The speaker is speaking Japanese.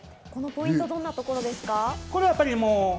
ポイントはどんなところですか？